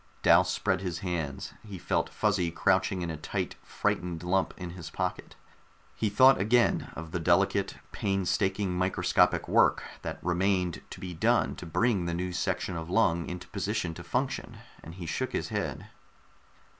Dal spread his hands. He felt Fuzzy crouching in a tight frightened lump in his pocket. He thought again of the delicate, painstaking microscopic work that remained to be done to bring the new section of lung into position to function, and he shook his head.